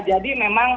ya tadi kami juga bahas